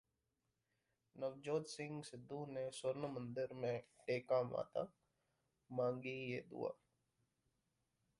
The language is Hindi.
नवजोत सिंह सिद्धू ने स्वर्ण मंदिर में टेका माथा, मांगी ये दुआ